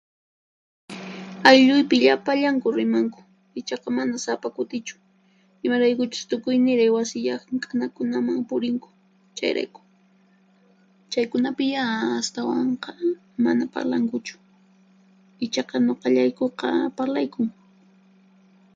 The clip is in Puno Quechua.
Aylluypi llapallanku rimanku, ichaqa mana sapa kutichu, imaraykuchus tukuy niray wasi llank'anakunaman purinku, chayrayku. Chaykunapiyá astawanqa mana parlankuchu; ichaqa nuqallaykuqa parlaykun.